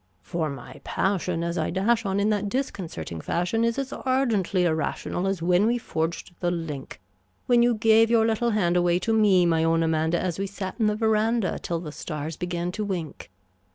For my passion as I dash on in that disconcerting fashion Is as ardently irrational as when we forged the link When you gave your little hand away to me, my own Amanda An we sat 'n the veranda till the stars began to wink.